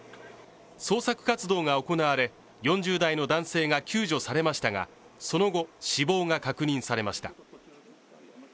創作活動が行われ、４０代の男性が救助されましたがその後、死亡が確認されました。